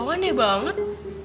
tau aneh banget